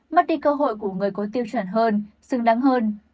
mất đi cơ hội của người có tiêu chuẩn hơn xứng đáng hơn